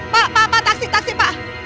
pak pak pak taksi taksi pak